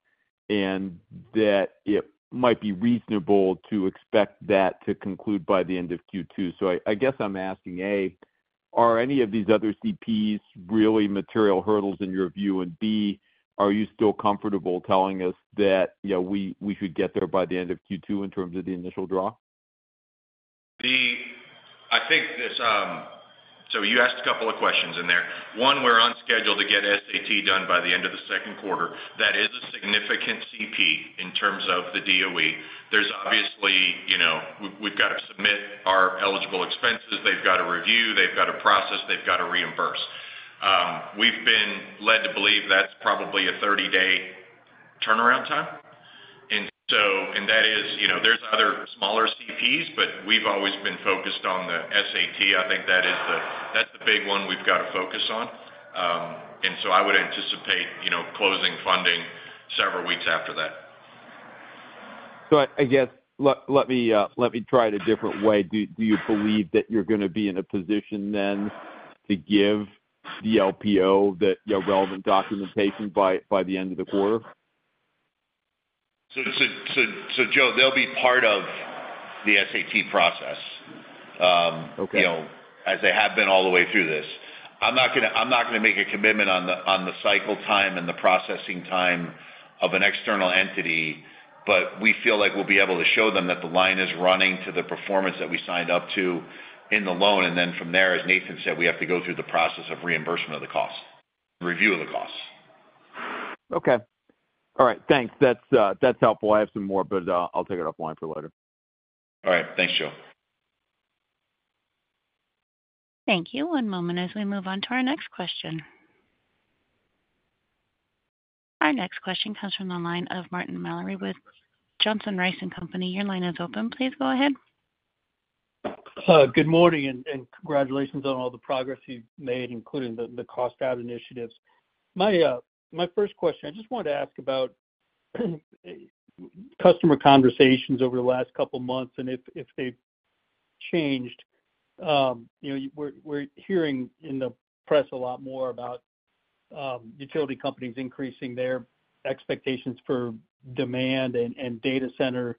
and that it might be reasonable to expect that to conclude by the end of Q2. So I guess I'm asking, A, are any of these other CPs really material hurdles in your view? And B, are you still comfortable telling us that, you know, we should get there by the end of Q2 in terms of the initial draw? I think this. So you asked a couple of questions in there. One, we're on schedule to get SAT done by the end of the second quarter. That is a significant CP in terms of the DOE. There's obviously, you know, we've, we've got to submit our eligible expenses. They've got to review, they've got to process, they've got to reimburse. We've been led to believe that's probably a 30-day turnaround time. And so and that is, you know, there's other smaller CPs, but we've always been focused on the SAT. I think that is the that's the big one we've got to focus on. And so I would anticipate, you know, closing funding several weeks after that. So I guess, let me try it a different way. Do you believe that you're gonna be in a position then to give the LPO the, you know, relevant documentation by the end of the quarter? So, Joe, they'll be part of the SAT process. Okay. You know, as they have been all the way through this. I'm not gonna, I'm not gonna make a commitment on the, on the cycle time and the processing time of an external entity, but we feel like we'll be able to show them that the line is running to the performance that we signed up to in the loan. And then from there, as Nathan said, we have to go through the process of reimbursement of the cost, review of the costs. Okay. All right. Thanks. That's, that's helpful. I have some more, but, I'll take it offline for later. All right. Thanks, Joe. Thank you. One moment as we move on to our next question. Our next question comes from the line of Martin Malloy with Johnson Rice & Company. Your line is open. Please go ahead. Good morning, and congratulations on all the progress you've made, including the cost out initiatives. My first question, I just wanted to ask about customer conversations over the last couple of months, and if they've changed. You know, we're hearing in the press a lot more about utility companies increasing their expectations for demand and data center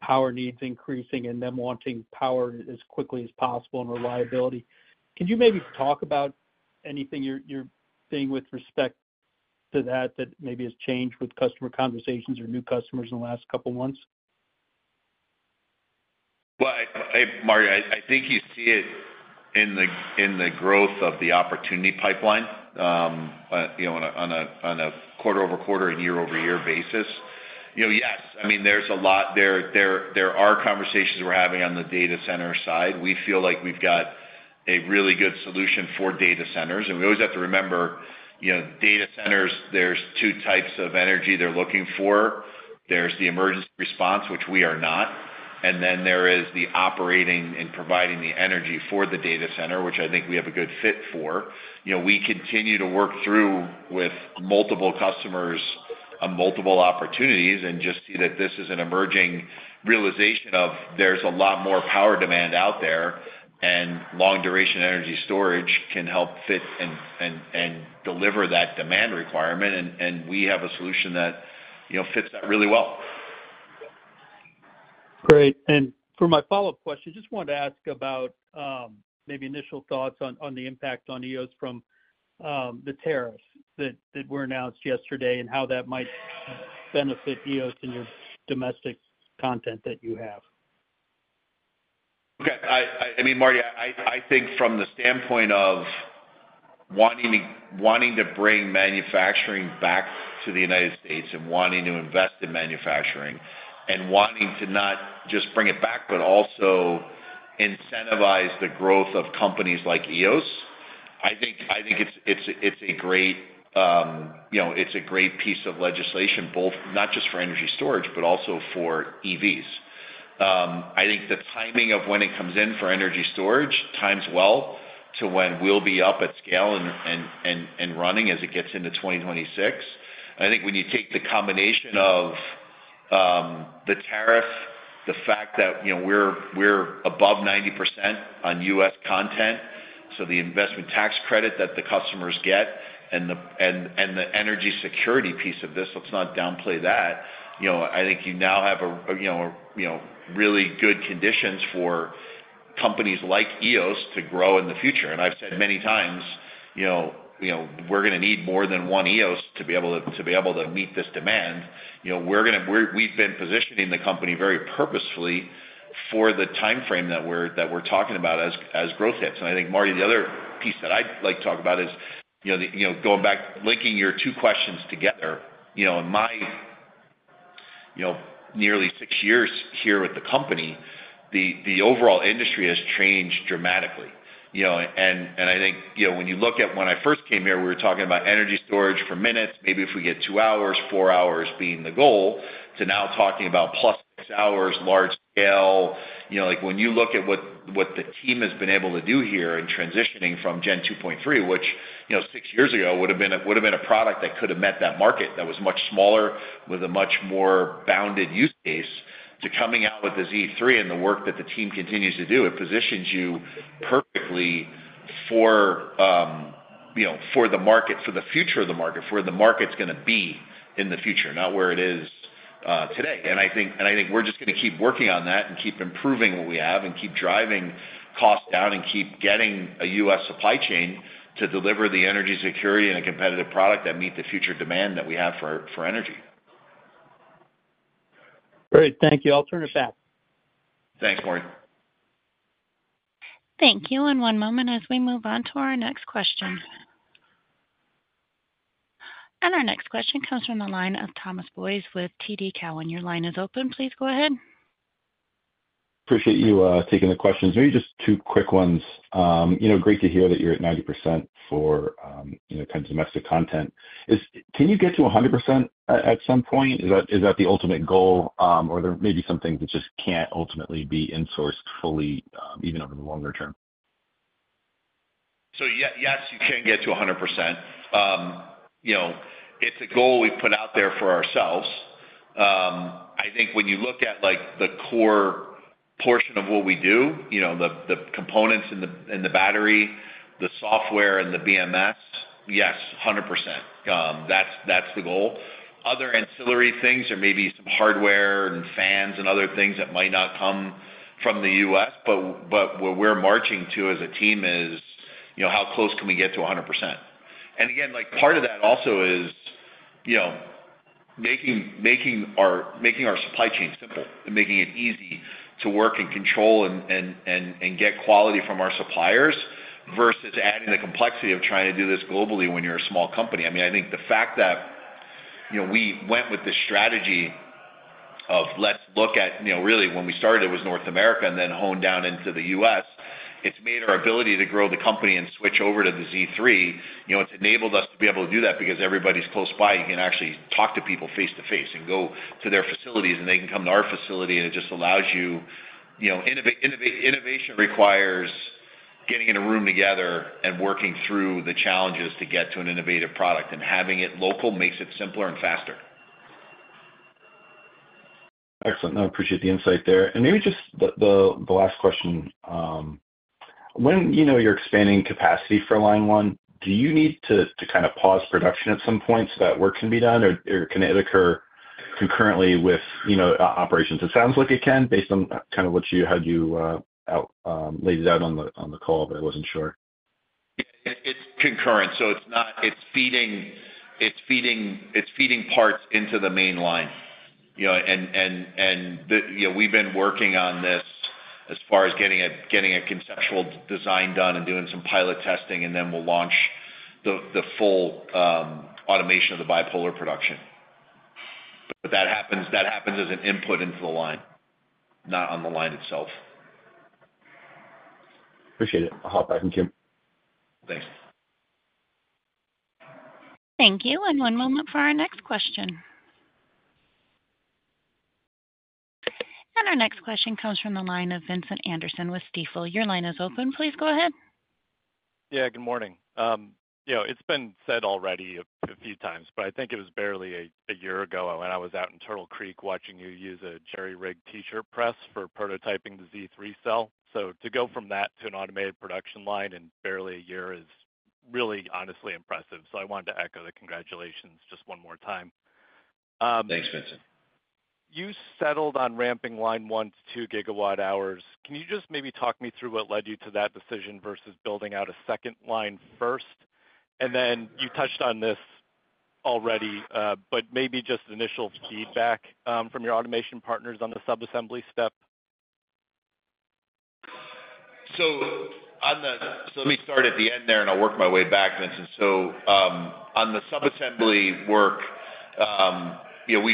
power needs increasing and them wanting power as quickly as possible and reliability. Can you maybe talk about anything you're seeing with respect to that maybe has changed with customer conversations or new customers in the last couple of months? Well, Marty, I think you see it in the growth of the opportunity pipeline, you know, on a quarter-over-quarter and year-over-year basis. You know, yes, I mean, there's a lot there. There are conversations we're having on the data center side. We feel like we've got a really good solution for data centers, and we always have to remember, you know, data centers, there's two types of energy they're looking for. There's the emergency response, which we are not, and then there is the operating and providing the energy for the data center, which I think we have a good fit for. You know, we continue to work through with multiple customers on multiple opportunities and just see that this is an emerging realization of there's a lot more power demand out there, and long-duration energy storage can help fit and, and, and deliver that demand requirement, and, and we have a solution that, you know, fits that really well. Great. For my follow-up question, just wanted to ask about maybe initial thoughts on the impact on Eos from the tariffs that were announced yesterday, and how that might benefit Eos in your domestic content that you have? Okay. I mean, Marty, I think from the standpoint of wanting to bring manufacturing back to the United States and wanting to invest in manufacturing and wanting to not just bring it back, but also incentivize the growth of companies like Eos, I think it's a great, you know, it's a great piece of legislation, both not just for energy storage, but also for EVs. I think the timing of when it comes in for energy storage times well to when we'll be up at scale and running as it gets into 2026. I think when you take the combination of the tariff, the fact that, you know, we're above 90% on U.S. content-... So the investment tax credit that the customers get and the, and, and the energy security piece of this, let's not downplay that. You know, I think you now have a, you know, a, you know, really good conditions for companies like Eos to grow in the future. And I've said many times, you know, you know, we're gonna need more than one Eos to be able to, to be able to meet this demand. You know, we're gonna-- we're- we've been positioning the company very purposefully for the timeframe that we're, that we're talking about as, as growth hits. And I think, Marty, the other piece that I'd like to talk about is, you know, the, you know, going back, linking your two questions together. You know, in my, you know, nearly six years here with the company, the, the overall industry has changed dramatically. You know, I think, you know, when you look at when I first came here, we were talking about energy storage for minutes, maybe if we get 2 hours, 4 hours being the goal, to now talking about +6 hours, large scale. You know, like, when you look at what the team has been able to do here in transitioning from Gen 2.3, which, you know, 6 years ago, would've been a product that could have met that market, that was much smaller, with a much more bounded use case, to coming out with the Z3 and the work that the team continues to do, it positions you perfectly for, you know, for the market, for the future of the market, where the market's gonna be in the future, not where it is, today. And I think, and I think we're just gonna keep working on that and keep improving what we have and keep driving costs down and keep getting a U.S. supply chain to deliver the energy security and a competitive product that meet the future demand that we have for, for energy. Great. Thank you. I'll turn it back. Thanks, Marty. Thank you. One moment as we move on to our next question. Our next question comes from the line of Thomas Boyes with TD Cowen. Your line is open. Please go ahead. Appreciate you taking the questions. Maybe just two quick ones. You know, great to hear that you're at 90% for, you know, kind of domestic content. Can you get to 100% at some point? Is that, is that the ultimate goal, or there may be some things that just can't ultimately be insourced fully, even over the longer term? So yes, you can get to 100%. You know, it's a goal we've put out there for ourselves. I think when you look at, like, the core portion of what we do, you know, the, the components and the, and the battery, the software and the BMS, yes, 100%. That's, that's the goal. Other ancillary things or maybe some hardware and fans and other things that might not come from the U.S., but, but what we're marching to as a team is, you know, how close can we get to 100%? And again, like, part of that also is, you know, making our supply chain simple and making it easy to work and control and get quality from our suppliers, versus adding the complexity of trying to do this globally when you're a small company. I mean, I think the fact that, you know, we went with the strategy of let's look at... You know, really, when we started, it was North America and then honed down into the U.S. It's made our ability to grow the company and switch over to the Z3. You know, it's enabled us to be able to do that because everybody's close by. You can actually talk to people face-to-face and go to their facilities, and they can come to our facility, and it just allows you... You know, innovation requires getting in a room together and working through the challenges to get to an innovative product, and having it local makes it simpler and faster. Excellent. I appreciate the insight there. Maybe just the last question, when you know you're expanding capacity for Line 1, do you need to kind of pause production at some point so that work can be done, or can it occur concurrently with you know operations? It sounds like it can, based on kind of how you laid it out on the call, but I wasn't sure. It's concurrent, so it's not... It's feeding parts into the main line. You know, we've been working on this as far as getting a conceptual design done and doing some pilot testing, and then we'll launch the full automation of the bipolar production. But that happens as an input into the line, not on the line itself. Appreciate it. I'll hop back in, Jim. Thanks. Thank you, and one moment for our next question. Our next question comes from the line of Vincent Anderson with Stifel. Your line is open. Please go ahead. Yeah, good morning. You know, it's been said already a few times, but I think it was barely a year ago when I was out in Turtle Creek watching you use a jerry-rig T-shirt press for prototyping the Z3 cell. So to go from that to an automated production line in barely a year is really honestly impressive. So I wanted to echo the congratulations just one more time. Thanks, Vincent. You settled on ramping Line 1 to 2 GWh. Can you just maybe talk me through what led you to that decision versus building out a second line first? And then you touched on this already, but maybe just initial feedback from your automation partners on the sub-assembly step. So let me start at the end there, and I'll work my way back, Vincent. So, on the sub-assembly work, you know,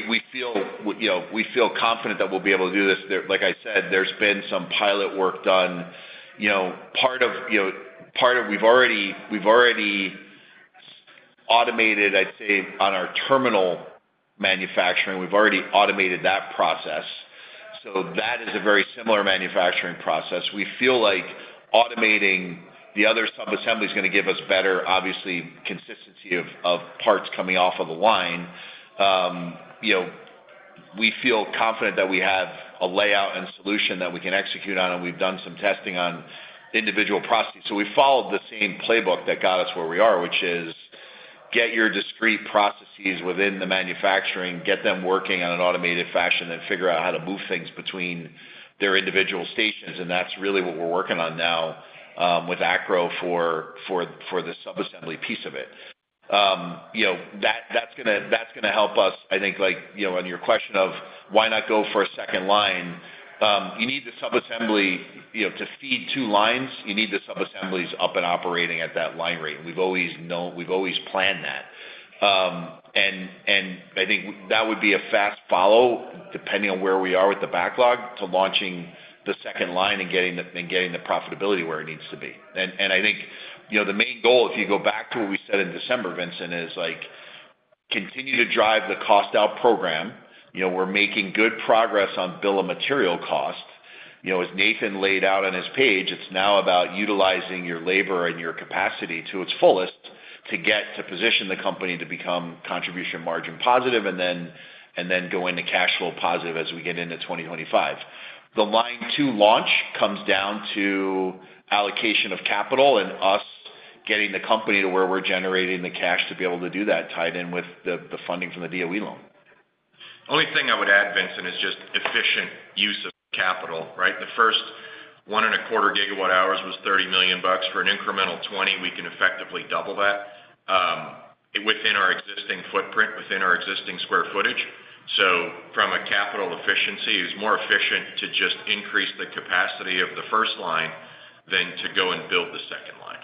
we feel confident that we'll be able to do this. Like I said, there's been some pilot work done. You know, part of... We've already, I'd say, on our terminal manufacturing, we've already automated that process, so that is a very similar manufacturing process. We feel like automating the other sub-assembly is gonna give us better, obviously, consistency of parts coming off of a line. You know, we feel confident that we have a layout and solution that we can execute on, and we've done some testing on individual processes. So we followed the same playbook that got us where we are, which is get your discrete processes within the manufacturing, get them working on an automated fashion, and figure out how to move things between their individual stations, and that's really what we're working on now, with Acro for the sub-assembly piece of it. You know, that's gonna help us, I think, like, you know, on your question of why not go for a second line? You need the sub-assembly, you know, to feed two lines, you need the sub-assemblies up and operating at that line rate. We've always known—we've always planned that. And I think that would be a fast follow, depending on where we are with the backlog, to launching the second line and getting the profitability where it needs to be. I think, you know, the main goal, if you go back to what we said in December, Vincent, is, like, continue to drive the cost out program. You know, we're making good progress on bill of material costs. You know, as Nathan laid out on his page, it's now about utilizing your labor and your capacity to its fullest to get to position the company to become contribution margin positive, and then go into cash flow positive as we get into 2025. The Line 2 launch comes down to allocation of capital and us getting the company to where we're generating the cash to be able to do that, tied in with the funding from the DOE loan. The only thing I would add, Vincent, is just efficient use of capital, right? The first 1.25 GWh was $30 million. For an incremental 20, we can effectively double that, within our existing footprint, within our existing square footage. So from a capital efficiency, it's more efficient to just increase the capacity of the first line than to go and build the second line.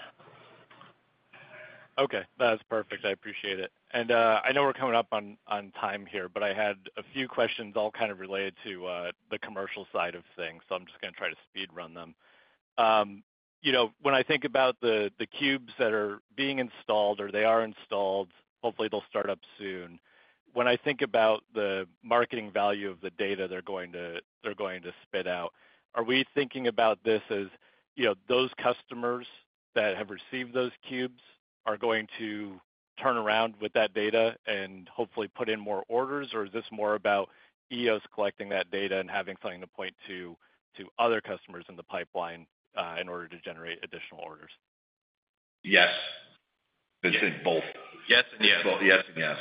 Okay, that's perfect. I appreciate it. And, I know we're coming up on, on time here, but I had a few questions all kind of related to, the commercial side of things, so I'm just gonna try to speed run them. You know, when I think about the, the cubes that are being installed or they are installed, hopefully they'll start up soon. When I think about the marketing value of the data they're going to spit out, are we thinking about this as, you know, those customers that have received those cubes are going to turn around with that data and hopefully put in more orders? Or is this more about Eos collecting that data and having something to point to, to other customers in the pipeline, in order to generate additional orders? Yes. It's in both. Yes and yes. Yes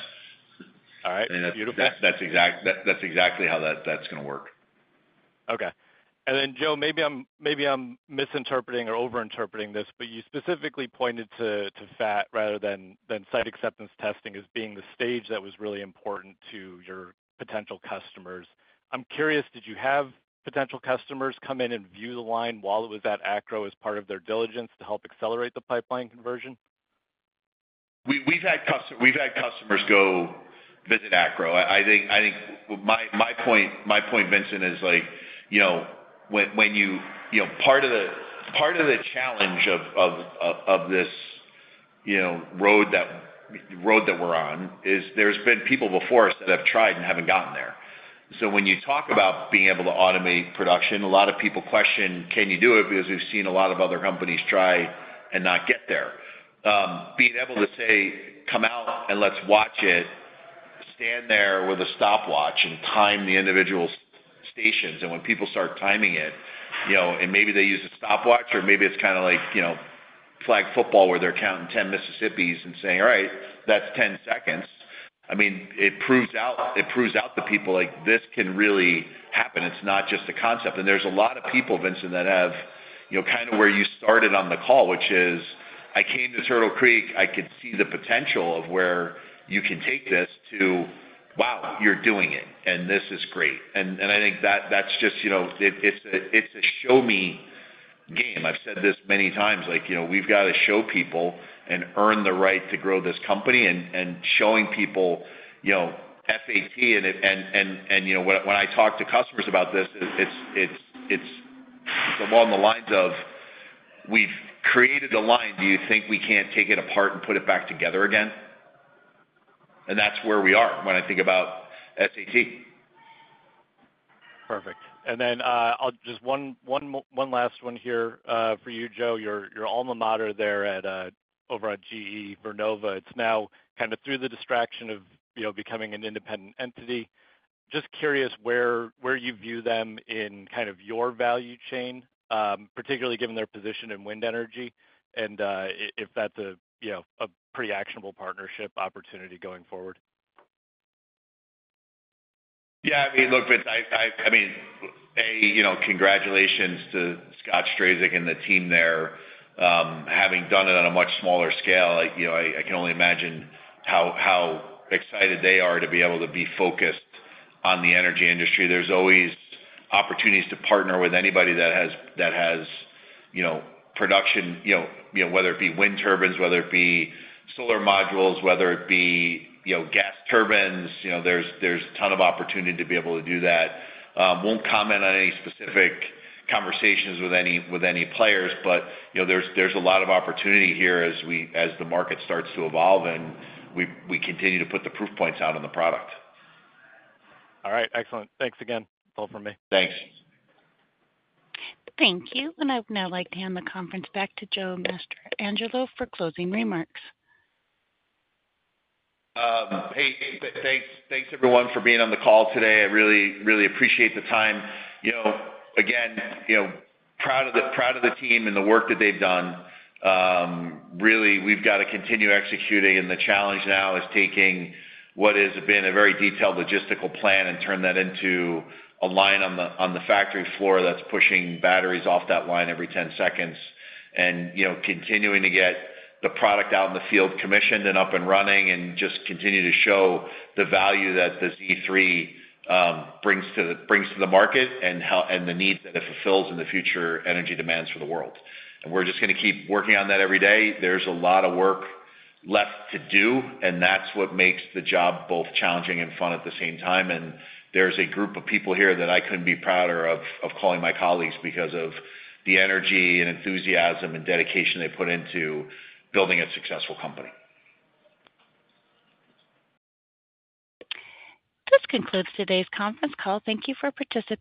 and yes. All right. Beautiful. That's exactly how that, that's gonna work. Okay. And then, Joe, maybe I'm misinterpreting or overinterpreting this, but you specifically pointed to FAT rather than site acceptance testing as being the stage that was really important to your potential customers. I'm curious, did you have potential customers come in and view the line while it was at Acro as part of their diligence to help accelerate the pipeline conversion? We've had customers go visit Acro. I think my point, Vincent, is like, you know, when you... You know, part of the challenge of this, you know, road that we're on, is there's been people before us that have tried and haven't gotten there. So when you talk about being able to automate production, a lot of people question, can you do it? Because we've seen a lot of other companies try and not get there. Being able to say, "Come out and let's watch it, stand there with a stopwatch and time the individual stations," and when people start timing it, you know, and maybe they use a stopwatch or maybe it's kind of like, you know, flag football, where they're counting 10 Mississippis and saying, "All right, that's 10 seconds." I mean, it proves out, it proves out to people, like, this can really happen. It's not just a concept. And there's a lot of people, Vincent, that have, you know, kind of where you started on the call, which is, "I came to Turtle Creek, I could see the potential of where you can take this," to, "Wow, you're doing it, and this is great." And, and I think that, that's just, you know, it's a, it's a show me game. I've said this many times, like, you know, we've got to show people and earn the right to grow this company and showing people, you know, FAT in it. And, you know, when I talk to customers about this, it's along the lines of: We've created a line. Do you think we can't take it apart and put it back together again? And that's where we are when I think about FAT. Perfect. And then, I'll just one last one here, for you, Joe. Your alma mater there at over at GE Vernova. It's now kind of through the distraction of, you know, becoming an independent entity. Just curious where you view them in kind of your value chain, particularly given their position in wind energy, and if that's a, you know, a pretty actionable partnership opportunity going forward? Yeah, I mean, look, Vincent, I mean, you know, congratulations to Scott Strazik and the team there. Having done it on a much smaller scale, like, you know, I can only imagine how excited they are to be able to be focused on the energy industry. There's always opportunities to partner with anybody that has, you know, production, you know, whether it be wind turbines, whether it be solar modules, whether it be, you know, gas turbines. You know, there's a ton of opportunity to be able to do that. Won't comment on any specific conversations with any players, but, you know, there's a lot of opportunity here as we, as the market starts to evolve, and we continue to put the proof points out on the product. All right, excellent. Thanks again. All from me. Thanks. Thank you. I'd now like to hand the conference back to Joe Mastrangelo for closing remarks. Hey, thanks, thanks, everyone, for being on the call today. I really, really appreciate the time. You know, again, you know, proud of the, proud of the team and the work that they've done. Really, we've got to continue executing, and the challenge now is taking what has been a very detailed logistical plan and turn that into a line on the, on the factory floor that's pushing batteries off that line every 10 seconds. And, you know, continuing to get the product out in the field commissioned and up and running, and just continue to show the value that the Z3 brings to the, brings to the market and how and the need that it fulfills in the future energy demands for the world. And we're just gonna keep working on that every day. There's a lot of work left to do, and that's what makes the job both challenging and fun at the same time. There's a group of people here that I couldn't be prouder of calling my colleagues because of the energy and enthusiasm and dedication they put into building a successful company. This concludes today's conference call. Thank you for participating.